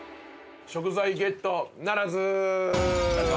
食材ゲットならず！